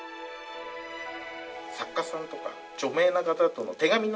作家さんとか著名な方との手紙のやり取り。